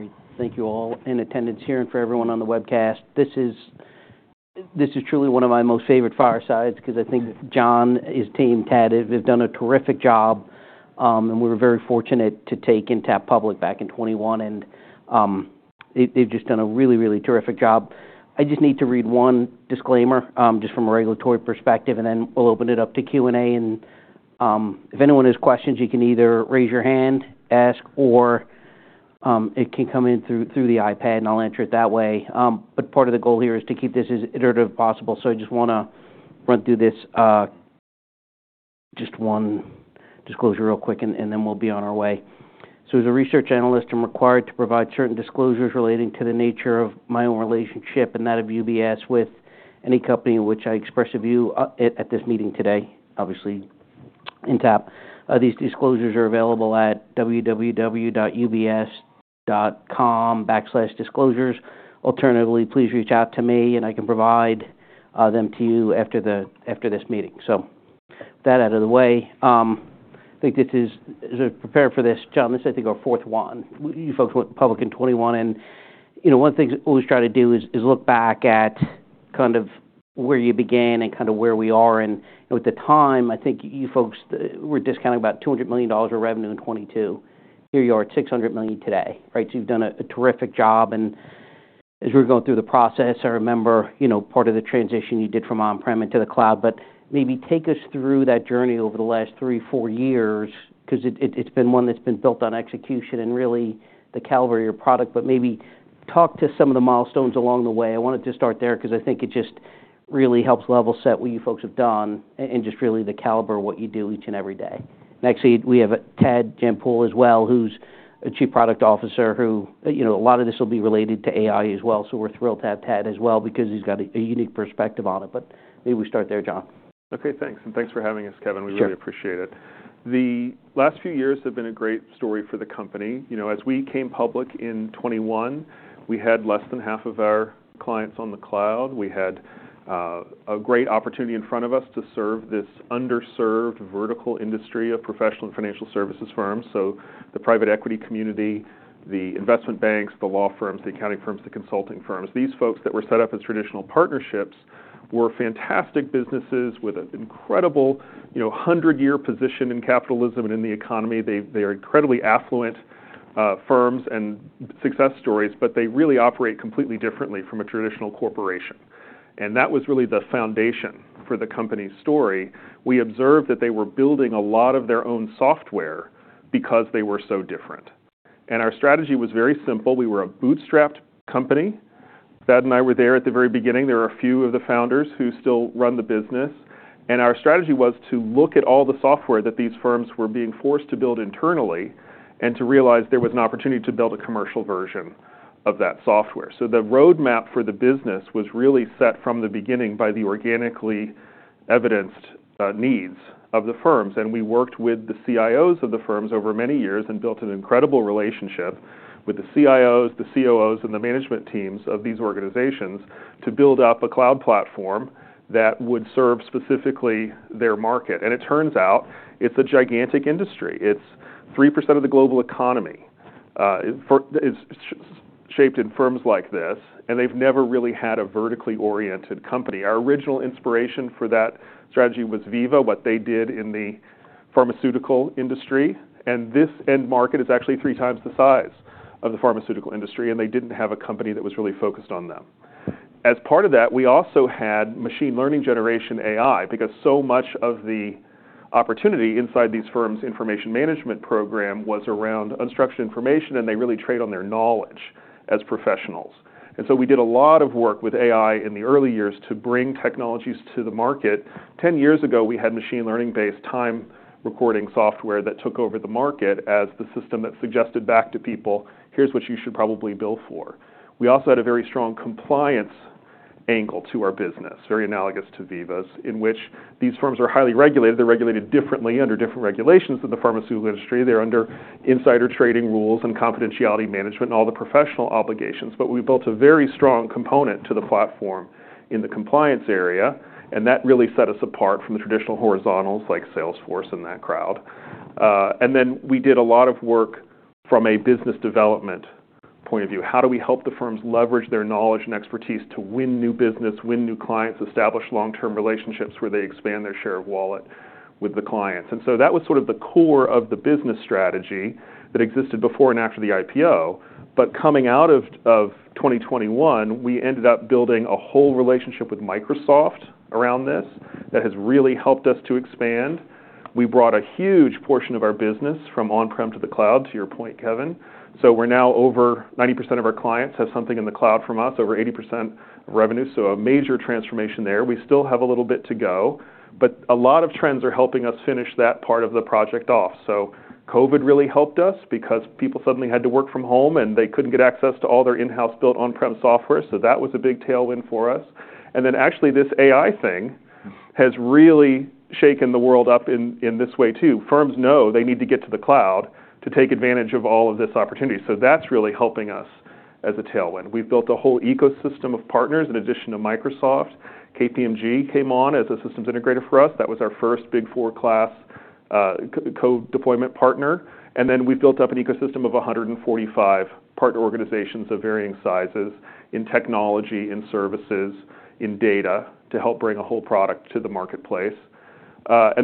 Great. Thank you all in attendance here and for everyone on the webcast. This is truly one of my most favorite firesides because I think John, his team, Thad have done a terrific job, and we were very fortunate to take Intapp public back in 2021. They've just done a really, really terrific job. I just need to read one disclaimer just from a regulatory perspective, and then we'll open it up to Q&A. If anyone has questions, you can either raise your hand, ask, or it can come in through the iPad, and I'll answer it that way. But part of the goal here is to keep this as iterative as possible, so I just want to run through just one disclosure real quick, and then we'll be on our way. So as a research analyst, I'm required to provide certain disclosures relating to the nature of my own relationship and that of UBS with any company in which I express a view at this meeting today, obviously Intapp. These disclosures are available at www.ubs.com/disclosures. Alternatively, please reach out to me, and I can provide them to you after this meeting. So with that out of the way, I think this is, prepare for this. John, this is, I think, our fourth one. You folks went public in 2021, and one of the things we always try to do is look back at kind of where you began and kind of where we are. And at the time, I think you folks were discounting about $200 million of revenue in 2022. Here you are at $600 million today. So you've done a terrific job. And as we're going through the process, I remember part of the transition you did from on-prem into the cloud. But maybe take us through that journey over the last three, four years because it's been one that's been built on execution and really the caliber of your product. But maybe talk to some of the milestones along the way. I wanted to start there because I think it just really helps level set what you folks have done and just really the caliber of what you do each and every day. Next, we have Thad Jampol as well, who's a Chief Product Officer. A lot of this will be related to AI as well, so we're thrilled to have Thad as well because he's got a unique perspective on it. But maybe we start there, John. Okay. Thanks. And thanks for having us, Kevin. We really appreciate it. The last few years have been a great story for the company. As we came public in 2021, we had less than half of our clients on the cloud. We had a great opportunity in front of us to serve this underserved vertical industry of professional and financial services firms. So the private equity community, the investment banks, the law firms, the accounting firms, the consulting firms, these folks that were set up as traditional partnerships were fantastic businesses with an incredible hundred-year position in capitalism and in the economy. They are incredibly affluent firms and success stories, but they really operate completely differently from a traditional corporation. And that was really the foundation for the company's story. We observed that they were building a lot of their own software because they were so different. And our strategy was very simple. We were a bootstrapped company. Thad and I were there at the very beginning. There were a few of the founders who still run the business. And our strategy was to look at all the software that these firms were being forced to build internally and to realize there was an opportunity to build a commercial version of that software. So the roadmap for the business was really set from the beginning by the organically evidenced needs of the firms. And we worked with the CIOs of the firms over many years and built an incredible relationship with the CIOs, the COOs, and the management teams of these organizations to build up a cloud platform that would serve specifically their market. And it turns out it's a gigantic industry. It's 3% of the global economy. It's shaped in firms like this, and they've never really had a vertically oriented company. Our original inspiration for that strategy was Veeva, what they did in the pharmaceutical industry. This end market is actually three times the size of the pharmaceutical industry, and they didn't have a company that was really focused on them. As part of that, we also had machine learning, generative AI because so much of the opportunity inside these firms' information management program was around unstructured information, and they really trade on their knowledge as professionals. So we did a lot of work with AI in the early years to bring technologies to the market. Ten years ago, we had machine learning-based time recording software that took over the market as the system that suggested back to people, "Here's what you should probably bill for." We also had a very strong compliance angle to our business, very analogous to Veeva's, in which these firms are highly regulated. They're regulated differently under different regulations than the pharmaceutical industry. They're under insider trading rules and confidentiality management and all the professional obligations. But we built a very strong component to the platform in the compliance area, and that really set us apart from the traditional horizontals like Salesforce and that crowd. And then we did a lot of work from a business development point of view. How do we help the firms leverage their knowledge and expertise to win new business, win new clients, establish long-term relationships where they expand their share of wallet with the clients? And so that was sort of the core of the business strategy that existed before and after the IPO. But coming out of 2021, we ended up building a whole relationship with Microsoft around this that has really helped us to expand. We brought a huge portion of our business from on-prem to the cloud, to your point, Kevin. So we're now over 90% of our clients have something in the cloud from us, over 80% of revenue. So a major transformation there. We still have a little bit to go, but a lot of trends are helping us finish that part of the project off. So COVID really helped us because people suddenly had to work from home, and they couldn't get access to all their in-house built on-prem software. So that was a big tailwind for us. Then actually, this AI thing has really shaken the world up in this way too. Firms know they need to get to the cloud to take advantage of all of this opportunity. That's really helping us as a tailwind. We've built a whole ecosystem of partners in addition to Microsoft. KPMG came on as a systems integrator for us. That was our first Big Four-class co-deployment partner. Then we've built up an ecosystem of 145 partner organizations of varying sizes in technology, in services, in data to help bring a whole product to the marketplace.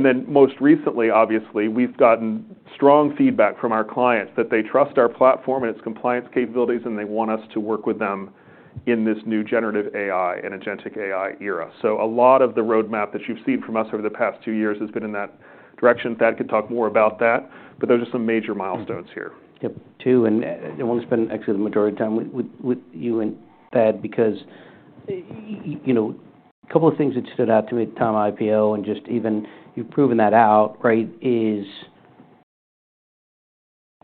Then most recently, obviously, we've gotten strong feedback from our clients that they trust our platform and its compliance capabilities, and they want us to work with them in this new Generative AI and Agentic AI era. So a lot of the roadmap that you've seen from us over the past two years has been in that direction. Thad can talk more about that, but those are some major milestones here. Yep. Two. And I want to spend actually the majority of time with you and Thad because a couple of things that stood out to me at the time of IPO and just even you've proven that out, right, is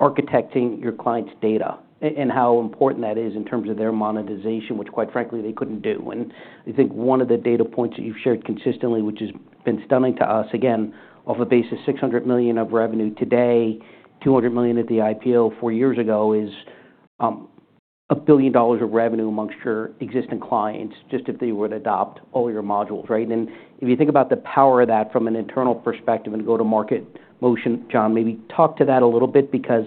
architecting your client's data and how important that is in terms of their monetization, which, quite frankly, they couldn't do. And I think one of the data points that you've shared consistently, which has been stunning to us, again, off a basis of $600 million of revenue today, $200 million at the IPO four years ago is $1 billion of revenue amongst your existing clients just if they were to adopt all your modules, right? And if you think about the power of that from an internal perspective and go-to-market motion, John, maybe talk to that a little bit because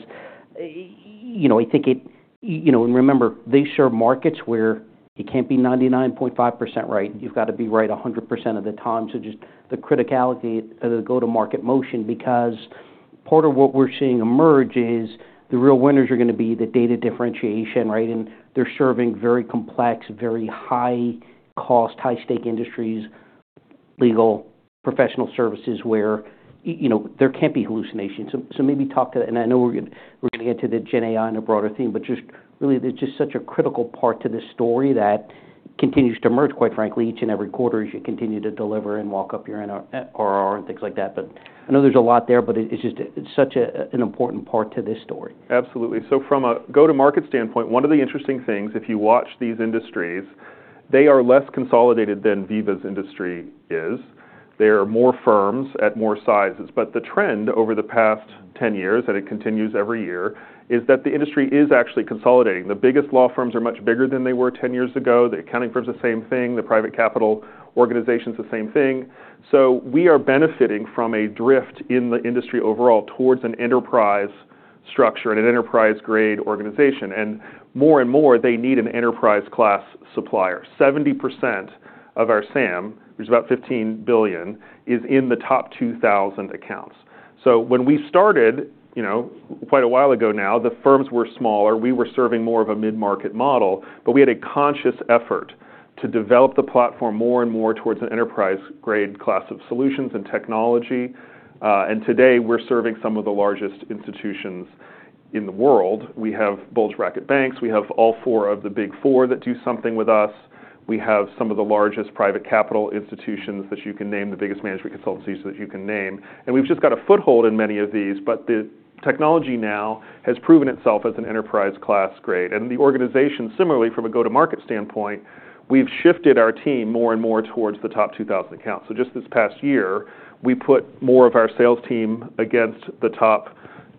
I think it, and remember, these are markets where it can't be 99.5% right. You've got to be right 100% of the time. So just the criticality of the go-to-market motion because part of what we're seeing emerge is the real winners are going to be the data differentiation, right? And they're serving very complex, very high-cost, high-stakes industries, legal, professional services where there can't be hallucinations. So maybe talk to that. And I know we're going to get to the Gen AI in a broader theme, but just really, it's just such a critical part to this story that continues to emerge, quite frankly, each and every quarter as you continue to deliver and walk up your RR and things like that. But I know there's a lot there, but it's just such an important part to this story. Absolutely. So from a go-to-market standpoint, one of the interesting things, if you watch these industries, they are less consolidated than Veeva's industry is. There are more firms at more sizes. But the trend over the past 10 years, and it continues every year, is that the industry is actually consolidating. The biggest law firms are much bigger than they were 10 years ago. The accounting firms, the same thing. The private capital organizations, the same thing. So we are benefiting from a drift in the industry overall towards an enterprise structure and an enterprise-grade organization. And more and more, they need an enterprise-class supplier. 70% of our SAM, which is about $15 billion, is in the top 2,000 accounts. So when we started quite a while ago now, the firms were smaller. We were serving more of a mid-market model, but we had a conscious effort to develop the platform more and more towards an enterprise-grade class of solutions and technology. Today, we're serving some of the largest institutions in the world. We have Bulge Bracket Banks. We have all four of the Big Four that do something with us. We have some of the largest private capital institutions that you can name, the biggest management consultancies that you can name. We've just got a foothold in many of these, but the technology now has proven itself as an enterprise-grade class. The organization, similarly, from a go-to-market standpoint, we've shifted our team more and more towards the top 2,000 accounts. So just this past year, we put more of our sales team against the top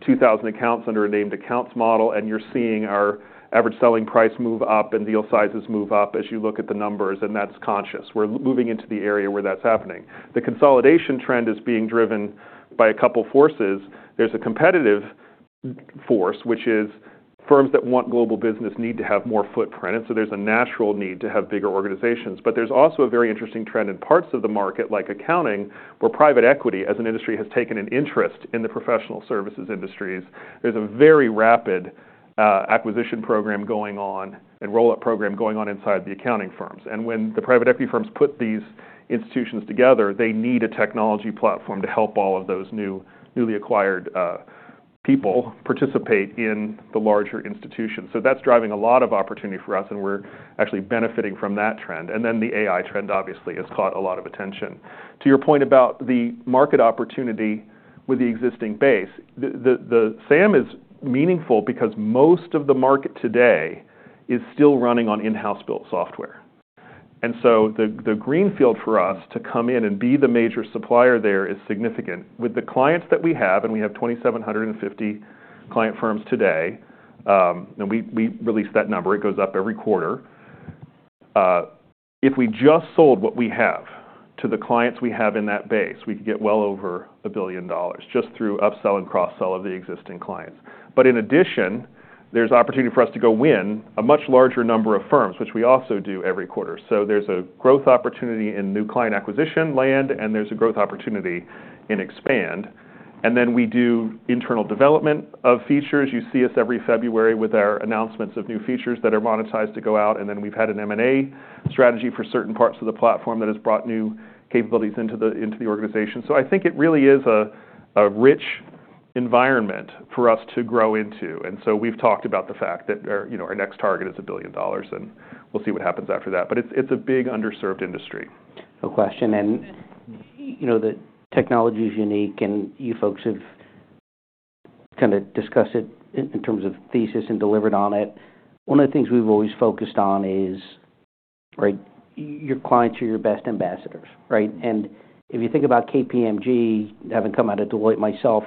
2,000 accounts under a named accounts model, and you're seeing our average selling price move up and deal sizes move up as you look at the numbers, and that's conscious. We're moving into the area where that's happening. The consolidation trend is being driven by a couple of forces. There's a competitive force, which is firms that want global business need to have more footprint. And so there's a natural need to have bigger organizations. But there's also a very interesting trend in parts of the market like accounting where private equity, as an industry, has taken an interest in the professional services industries. There's a very rapid acquisition program going on and rollout program going on inside the accounting firms. When the private equity firms put these institutions together, they need a technology platform to help all of those newly acquired people participate in the larger institutions. So that's driving a lot of opportunity for us, and we're actually benefiting from that trend. Then the AI trend, obviously, has caught a lot of attention. To your point about the market opportunity with the existing base, the SAM is meaningful because most of the market today is still running on in-house built software. So the greenfield for us to come in and be the major supplier there is significant. With the clients that we have, and we have 2,750 client firms today, and we release that number, it goes up every quarter. If we just sold what we have to the clients we have in that base, we could get well over $1 billion just through upsell and cross-sell of the existing clients. But in addition, there's opportunity for us to go win a much larger number of firms, which we also do every quarter. So there's a growth opportunity in new client acquisition land, and there's a growth opportunity in expand. And then we do internal development of features. You see us every February with our announcements of new features that are monetized to go out. And then we've had an M&A strategy for certain parts of the platform that has brought new capabilities into the organization. So I think it really is a rich environment for us to grow into. And so we've talked about the fact that our next target is $1 billion, and we'll see what happens after that. But it's a big underserved industry. A question. And the technology is unique, and you folks have kind of discussed it in terms of thesis and delivered on it. One of the things we've always focused on is, right, your clients are your best ambassadors, right? And if you think about KPMG, having come out of Deloitte myself,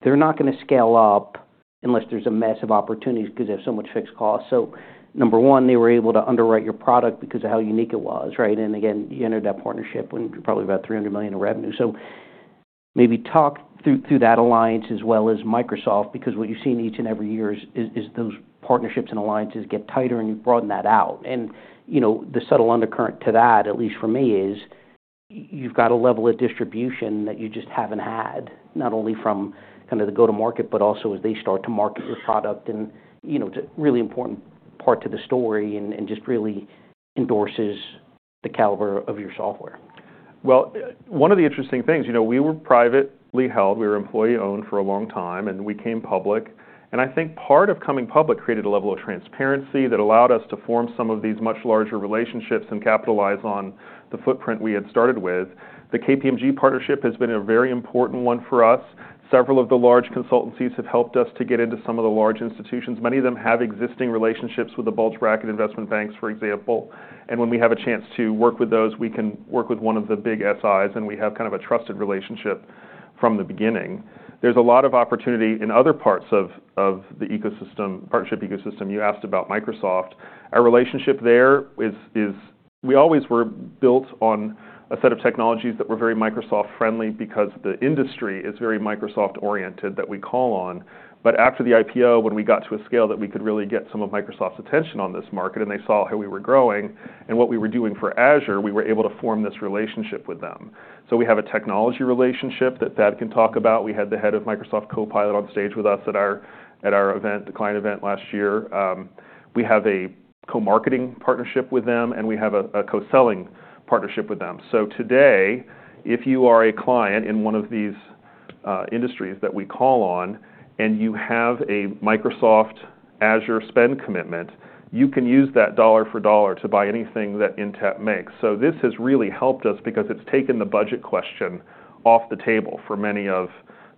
right, they're not going to scale up unless there's a massive opportunity because they have so much fixed costs. So number one, they were able to underwrite your product because of how unique it was, right? And again, you entered that partnership when you probably have about $300 million in revenue. So maybe talk through that alliance as well as Microsoft because what you've seen each and every year is those partnerships and alliances get tighter, and you've broadened that out. And the subtle undercurrent to that, at least for me, is you've got a level of distribution that you just haven't had, not only from kind of the go-to-market, but also as they start to market your product. And it's a really important part to the story and just really endorses the caliber of your software. One of the interesting things, we were privately held. We were employee-owned for a long time, and we came public. And I think part of coming public created a level of transparency that allowed us to form some of these much larger relationships and capitalize on the footprint we had started with. The KPMG partnership has been a very important one for us. Several of the large consultancies have helped us to get into some of the large institutions. Many of them have existing relationships with the Bulge Bracket Investment Banks, for example. And when we have a chance to work with those, we can work with one of the big SIs, and we have kind of a trusted relationship from the beginning. There's a lot of opportunity in other parts of the partnership ecosystem. You asked about Microsoft. Our relationship there is, we always were built on a set of technologies that were very Microsoft-friendly because the industry is very Microsoft-oriented that we call on. But after the IPO, when we got to a scale that we could really get some of Microsoft's attention on this market and they saw how we were growing and what we were doing for Azure, we were able to form this relationship with them. So we have a technology relationship that Thad can talk about. We had the head of Microsoft Copilot on stage with us at our event, the client event last year. We have a co-marketing partnership with them, and we have a co-selling partnership with them. So today, if you are a client in one of these industries that we call on and you have a Microsoft Azure spend commitment, you can use that dollar for dollar to buy anything that Intapp makes. So this has really helped us because it's taken the budget question off the table for many of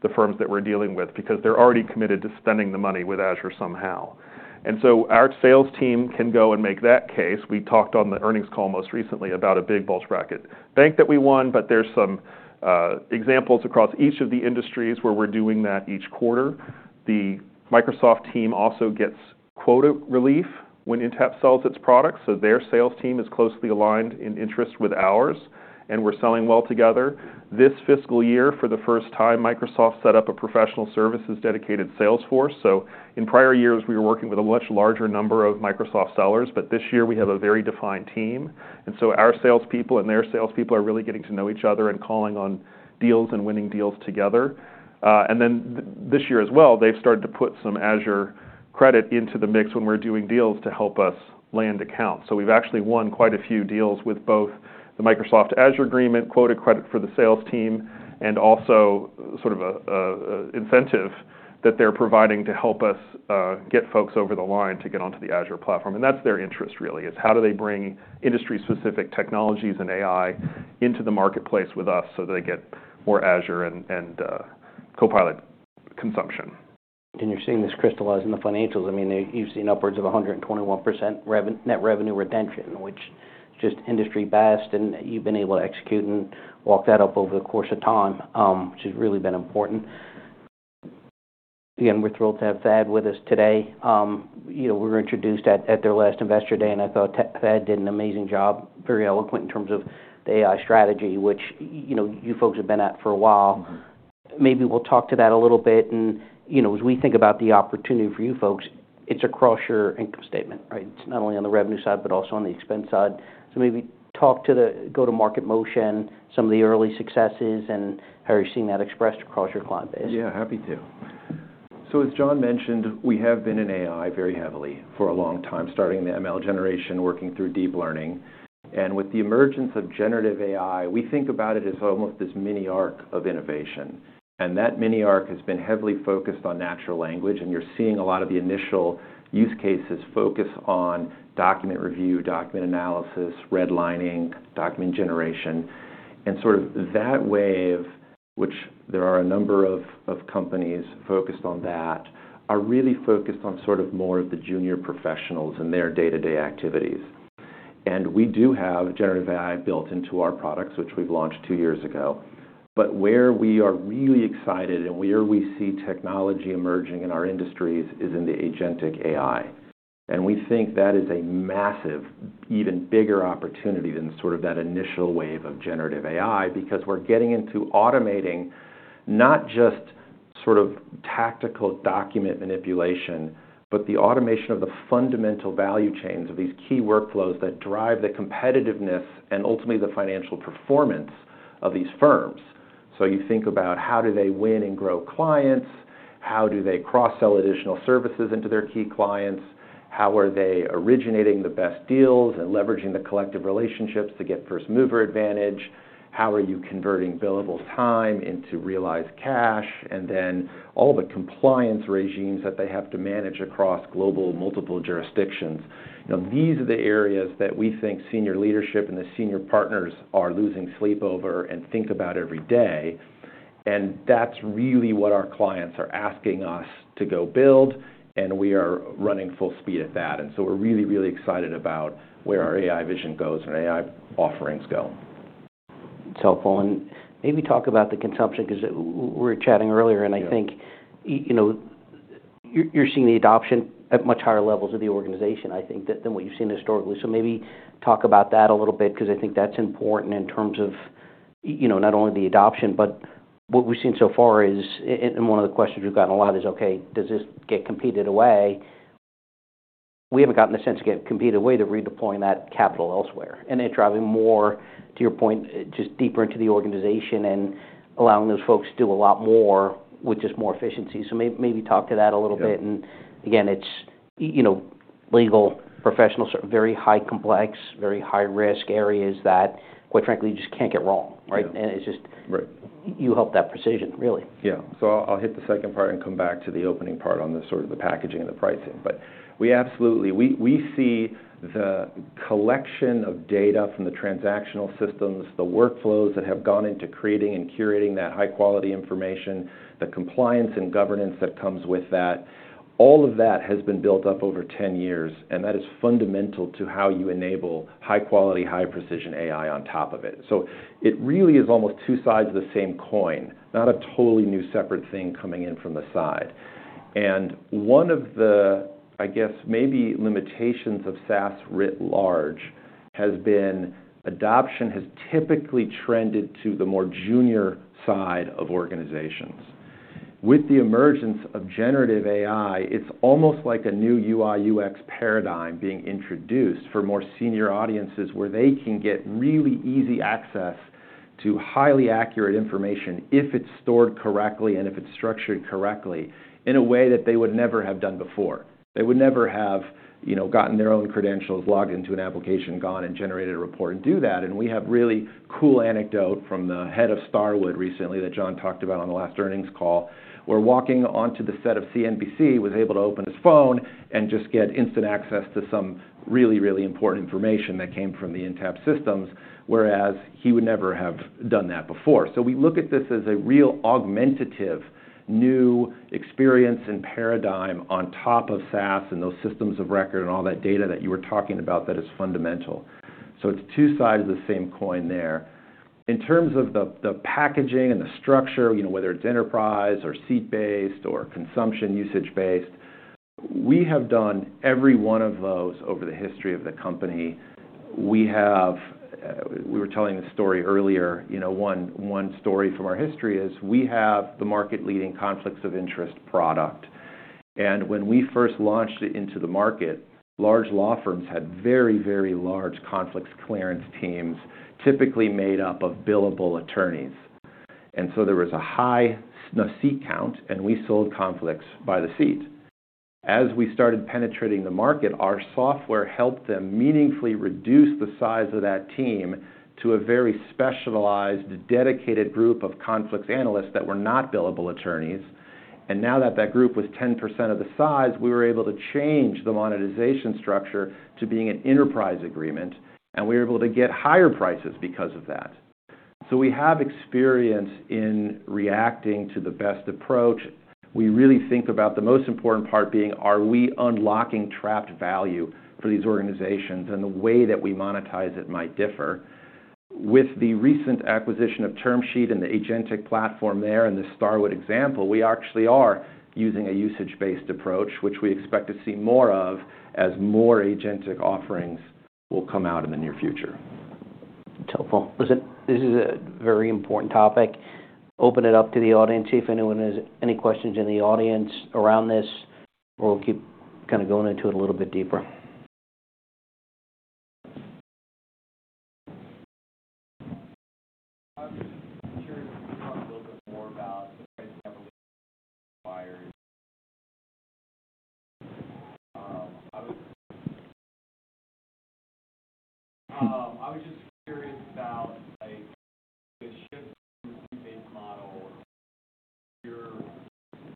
the firms that we're dealing with because they're already committed to spending the money with Azure somehow. And so our sales team can go and make that case. We talked on the earnings call most recently about a big Bulge Bracket Bank that we won, but there's some examples across each of the industries where we're doing that each quarter. The Microsoft team also gets quota relief when Intapp sells its products. So their sales team is closely aligned in interest with ours, and we're selling well together. This fiscal year, for the first time, Microsoft set up a professional services dedicated sales force. So in prior years, we were working with a much larger number of Microsoft sellers, but this year we have a very defined team. And so our salespeople and their salespeople are really getting to know each other and calling on deals and winning deals together. And then this year as well, they've started to put some Azure credit into the mix when we're doing deals to help us land accounts. So we've actually won quite a few deals with both the Microsoft Azure agreement, quota credit for the sales team, and also sort of an incentive that they're providing to help us get folks over the line to get onto the Azure platform. And that's their interest really, is how do they bring industry-specific technologies and AI into the marketplace with us so that they get more Azure and Copilot consumption. You're seeing this crystallize in the financials. I mean, you've seen upwards of 121% net revenue retention, which is just industry best, and you've been able to execute and walk that up over the course of time, which has really been important. Again, we're thrilled to have Thad with us today. We were introduced at their last investor day, and I thought Thad did an amazing job, very eloquent in terms of the AI strategy, which you folks have been at for a while. Maybe we'll talk to that a little bit. And as we think about the opportunity for you folks, it's across your income statement, right? It's not only on the revenue side, but also on the expense side. Maybe talk to the go-to-market motion, some of the early successes, and how you're seeing that expressed across your client base. Yeah, happy to. So as John mentioned, we have been in AI very heavily for a long time, starting in the ML generation, working through deep learning. And with the emergence of generative AI, we think about it as almost this mini arc of innovation. And that mini arc has been heavily focused on natural language, and you're seeing a lot of the initial use cases focus on document review, document analysis, redlining, document generation. And sort of that wave, which there are a number of companies focused on that, are really focused on sort of more of the junior professionals and their day-to-day activities. And we do have generative AI built into our products, which we've launched two years ago. But where we are really excited and where we see technology emerging in our industries is in the agentic AI. And we think that is a massive, even bigger opportunity than sort of that initial wave of generative AI because we're getting into automating not just sort of tactical document manipulation, but the automation of the fundamental value chains of these key workflows that drive the competitiveness and ultimately the financial performance of these firms. So you think about how do they win and grow clients? How do they cross-sell additional services into their key clients? How are they originating the best deals and leveraging the collective relationships to get first mover advantage? How are you converting billable time into realized cash? And then all the compliance regimes that they have to manage across global multiple jurisdictions. These are the areas that we think senior leadership and the senior partners are losing sleep over and think about every day. That's really what our clients are asking us to go build, and we are running full speed at that. So we're really, really excited about where our AI vision goes and our AI offerings go. It's helpful. And maybe talk about the consumption because we were chatting earlier, and I think you're seeing the adoption at much higher levels of the organization, I think, than what you've seen historically. So maybe talk about that a little bit because I think that's important in terms of not only the adoption, but what we've seen so far is, and one of the questions we've gotten a lot is, okay, does this get competed away? We haven't gotten the sense to get competed away. They're redeploying that capital elsewhere. And it's driving more, to your point, just deeper into the organization and allowing those folks to do a lot more with just more efficiency. So maybe talk to that a little bit. And again, it's legal, professional, very highly complex, very high risk areas that, quite frankly, you just can't get wrong, right? And it's just you help that precision, really. Yeah. So I'll hit the second part and come back to the opening part on the sort of the packaging and the pricing. But we absolutely see the collection of data from the transactional systems, the workflows that have gone into creating and curating that high-quality information, the compliance and governance that comes with that. All of that has been built up over 10 years, and that is fundamental to how you enable high-quality, high-precision AI on top of it. So it really is almost two sides of the same coin, not a totally new separate thing coming in from the side. And one of the, I guess, maybe limitations of SaaS writ large has been adoption has typically trended to the more junior side of organizations. With the emergence of Generative AI, it's almost like a new UI/UX paradigm being introduced for more senior audiences where they can get really easy access to highly accurate information if it's stored correctly and if it's structured correctly in a way that they would never have done before. They would never have gotten their own credentials, logged into an application, gone and generated a report and do that. We have a really cool anecdote from the head of Starwood recently that John talked about on the last earnings call. We're walking onto the set of CNBC, was able to open his phone and just get instant access to some really, really important information that came from the Intapp systems, whereas he would never have done that before. So we look at this as a real augmentative new experience and paradigm on top of SaaS and those systems of record and all that data that you were talking about that is fundamental. So it's two sides of the same coin there. In terms of the packaging and the structure, whether it's enterprise or seat-based or consumption usage-based, we have done every one of those over the history of the company. We were telling the story earlier. One story from our history is we have the market-leading conflicts of interest product. And when we first launched it into the market, large law firms had very, very large conflicts clearance teams, typically made up of billable attorneys. And so there was a high seat count, and we sold conflicts by the seat. As we started penetrating the market, our software helped them meaningfully reduce the size of that team to a very specialized, dedicated group of conflicts analysts that were not billable attorneys. And now that that group was 10% of the size, we were able to change the monetization structure to being an enterprise agreement, and we were able to get higher prices because of that. So we have experience in reacting to the best approach. We really think about the most important part being, are we unlocking trapped value for these organizations and the way that we monetize it might differ. With the recent acquisition of TermSheet and the agentic platform there and the Starwood example, we actually are using a usage-based approach, which we expect to see more of as more agentic offerings will come out in the near future. It's helpful. This is a very important topic. Open it up to the audience. If anyone has any questions in the audience around this, we'll keep kind of going into it a little bit deeper. I'm curious to talk a little bit more about the transactional buyers. I was just curious about the shift to a seat-based model.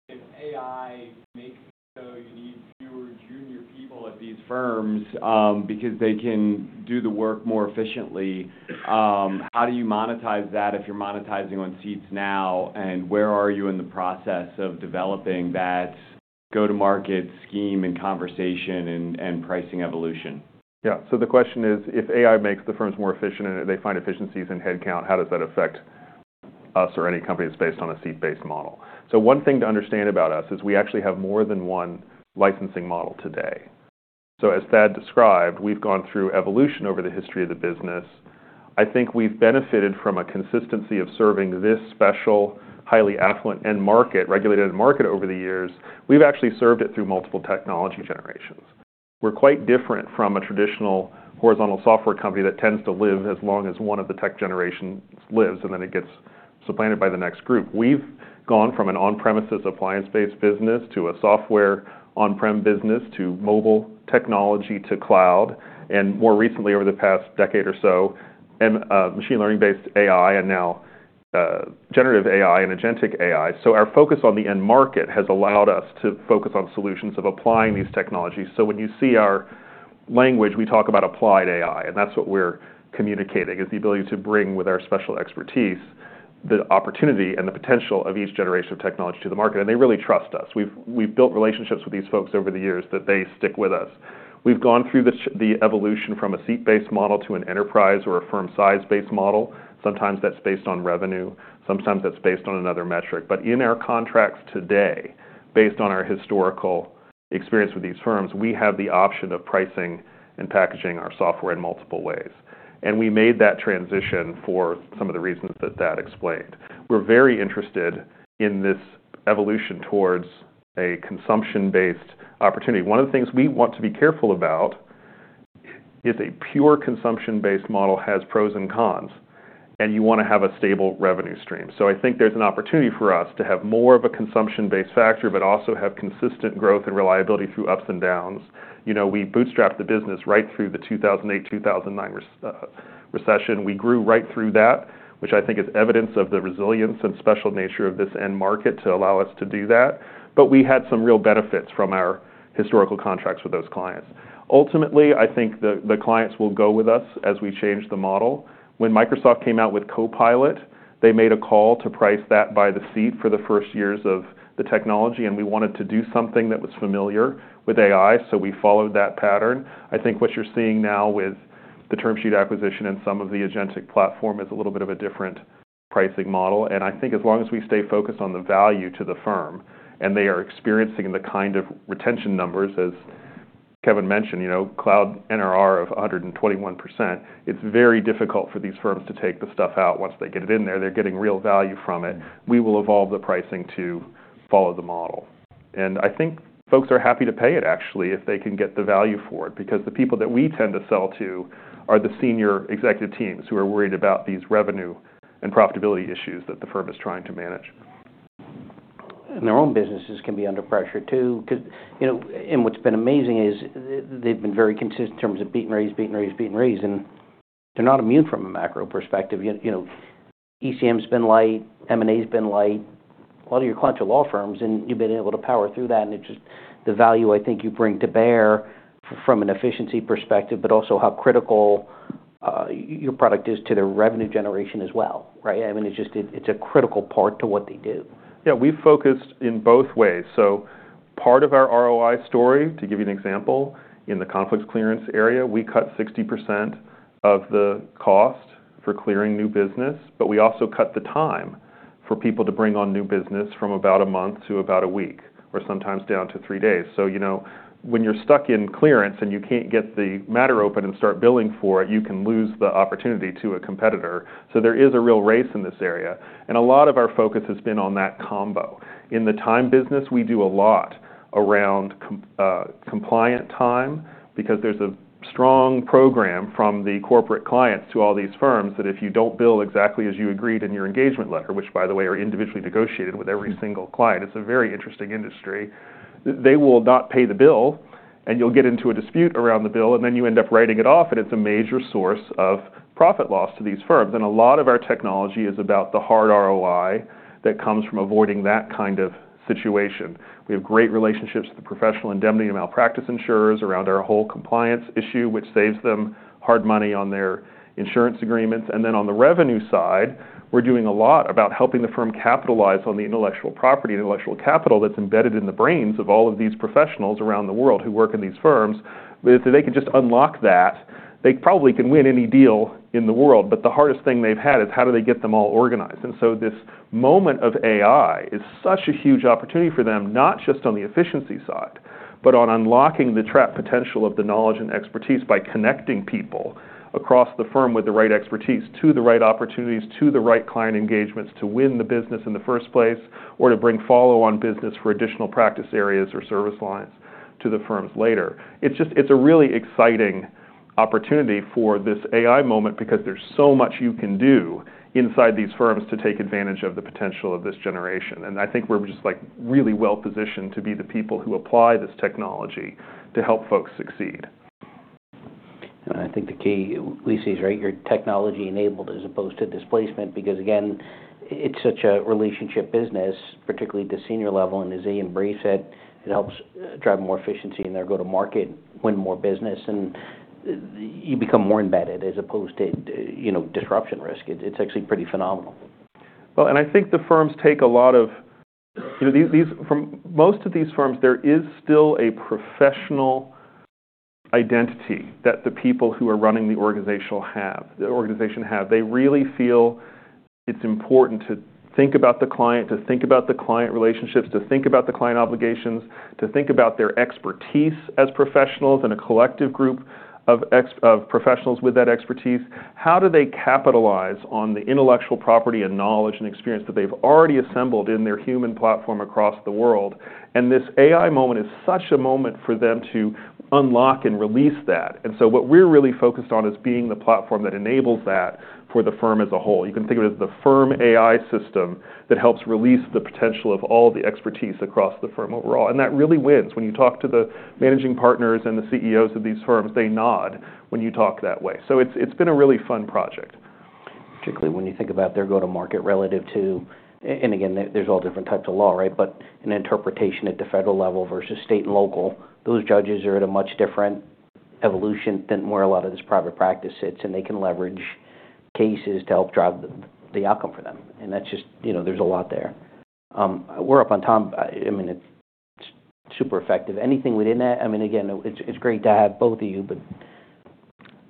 If AI makes it so you need fewer junior people at these firms because they can do the work more efficiently, how do you monetize that if you're monetizing on seats now? And where are you in the process of developing that go-to-market scheme and conversation and pricing evolution? Yeah. So the question is, if AI makes the firms more efficient and they find efficiencies in headcount, how does that affect us or any company that's based on a seat-based model? So one thing to understand about us is we actually have more than one licensing model today. So as Thad described, we've gone through evolution over the history of the business. I think we've benefited from a consistency of serving this special, highly affluent, and regulated market over the years. We've actually served it through multiple technology generations. We're quite different from a traditional horizontal software company that tends to live as long as one of the tech generations lives, and then it gets supplanted by the next group. We've gone from an on-premises appliance-based business to a software on-prem business to mobile technology to cloud, and more recently, over the past decade or so, machine learning-based AI and now generative AI and agentic AI. So our focus on the end market has allowed us to focus on solutions of applying these technologies. So when you see our language, we talk about applied AI, and that's what we're communicating, is the ability to bring with our special expertise the opportunity and the potential of each generation of technology to the market. And they really trust us. We've built relationships with these folks over the years that they stick with us. We've gone through the evolution from a seat-based model to an enterprise or a firm-size-based model. Sometimes that's based on revenue. Sometimes that's based on another metric. In our contracts today, based on our historical experience with these firms, we have the option of pricing and packaging our software in multiple ways. We made that transition for some of the reasons that Thad explained. We're very interested in this evolution towards a consumption-based opportunity. One of the things we want to be careful about is a pure consumption-based model has pros and cons, and you want to have a stable revenue stream. I think there's an opportunity for us to have more of a consumption-based factor, but also have consistent growth and reliability through ups and downs. We bootstrapped the business right through the 2008-2009 recession. We grew right through that, which I think is evidence of the resilience and special nature of this end market to allow us to do that. But we had some real benefits from our historical contracts with those clients. Ultimately, I think the clients will go with us as we change the model. When Microsoft came out with Copilot, they made a call to price that by the seat for the first years of the technology, and we wanted to do something that was familiar with AI, so we followed that pattern. I think what you're seeing now with the TermSheet acquisition and some of the agentic platform is a little bit of a different pricing model. And I think as long as we stay focused on the value to the firm and they are experiencing the kind of retention numbers, as Kevin mentioned, cloud NRR of 121%, it's very difficult for these firms to take the stuff out once they get it in there. They're getting real value from it. We will evolve the pricing to follow the model. And I think folks are happy to pay it, actually, if they can get the value for it because the people that we tend to sell to are the senior executive teams who are worried about these revenue and profitability issues that the firm is trying to manage. Their own businesses can be under pressure too. What's been amazing is they've been very consistent in terms of beat and raise, beat and raise, beat and raise. They're not immune from a macro perspective. ECM's been light, M&A's been light. A lot of your clients are law firms, and you've been able to power through that. It's just the value, I think, you bring to bear from an efficiency perspective, but also how critical your product is to their revenue generation as well, right? I mean, it's a critical part to what they do. Yeah. We've focused in both ways. So part of our ROI story, to give you an example, in the conflicts clearance area, we cut 60% of the cost for clearing new business, but we also cut the time for people to bring on new business from about a month to about a week or sometimes down to three days. So when you're stuck in clearance and you can't get the matter open and start billing for it, you can lose the opportunity to a competitor. So there is a real race in this area. And a lot of our focus has been on that combo. In the time business, we do a lot around compliant time because there's a strong program from the corporate clients to all these firms that if you don't bill exactly as you agreed in your engagement letter, which, by the way, are individually negotiated with every single client, it's a very interesting industry. They will not pay the bill, and you'll get into a dispute around the bill, and then you end up writing it off, and it's a major source of profit loss to these firms, and a lot of our technology is about the hard ROI that comes from avoiding that kind of situation. We have great relationships with the professional indemnity and malpractice insurers around our whole compliance issue, which saves them hard money on their insurance agreements. And then on the revenue side, we're doing a lot about helping the firm capitalize on the intellectual property and intellectual capital that's embedded in the brains of all of these professionals around the world who work in these firms. If they can just unlock that, they probably can win any deal in the world, but the hardest thing they've had is how do they get them all organized? And so this moment of AI is such a huge opportunity for them, not just on the efficiency side, but on unlocking the untapped potential of the knowledge and expertise by connecting people across the firm with the right expertise to the right opportunities, to the right client engagements to win the business in the first place, or to bring follow-on business for additional practice areas or service lines to the firms later. It's a really exciting opportunity for this AI moment because there's so much you can do inside these firms to take advantage of the potential of this generation. And I think we're just really well positioned to be the people who apply this technology to help folks succeed. And I think the key we see is, right, your technology-enabled as opposed to displacement because, again, it's such a relationship business, particularly at the senior level. And as AM Brief said, it helps drive more efficiency in their go-to-market, win more business, and you become more embedded as opposed to disruption risk. It's actually pretty phenomenal. And I think the firms take a lot of most of these firms. There is still a professional identity that the people who are running the organization have. They really feel it's important to think about the client, to think about the client relationships, to think about the client obligations, to think about their expertise as professionals and a collective group of professionals with that expertise. How do they capitalize on the intellectual property and knowledge and experience that they've already assembled in their human platform across the world? And this AI moment is such a moment for them to unlock and release that. And so what we're really focused on is being the platform that enables that for the firm as a whole. You can think of it as the firm AI system that helps release the potential of all the expertise across the firm overall. And that really wins. When you talk to the managing partners and the CEOs of these firms, they nod when you talk that way. So it's been a really fun project. Particularly when you think about their go-to-market relative to, and again, there's all different types of law, right? But in interpretation at the federal level versus state and local, those judges are at a much different evolution than where a lot of this private practice sits, and they can leverage cases to help drive the outcome for them. And that's just, there's a lot there. We're up on time. I mean, it's super effective. Anything within that? I mean, again, it's great to have both of you, but.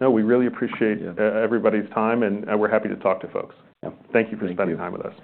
No, we really appreciate everybody's time, and we're happy to talk to folks. Thank you for spending time with us. Thank you, Yes.